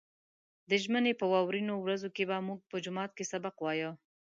د ژمي په واورينو ورځو کې به موږ په جومات کې سبق وايه.